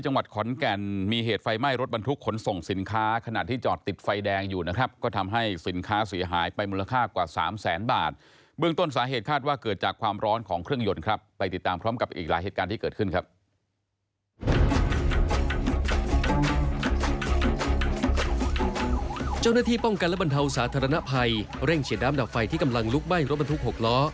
จองน้ที้ป้องกันและบรรเท่าสาธารณภัยเร่งเฉียดด้ำดับฟัยที่กำลังลุกไบรถบรรทุกหกล้อ